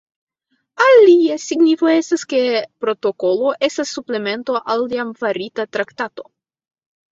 Alia signifo estas, ke protokolo estas suplemento al jam farita traktato.